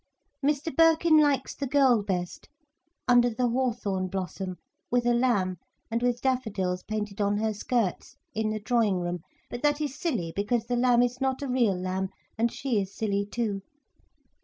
Mr Birkin likes the girl best, under the hawthorn blossom, with a lamb, and with daffodils painted on her skirts, in the drawing room. But that is silly, because the lamb is not a real lamb, and she is silly too.